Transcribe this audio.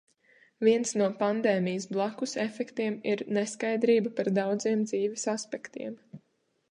Viens no pandēmijas "blakusefektiem" ir neskaidrība par daudziem dzīves aspektiem.